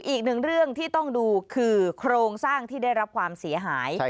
อีกหนึ่งเรื่องที่ต้องดูคือโครงสร้างที่ได้รับความเสียหาย